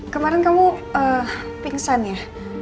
kemaren kamu pingsan ya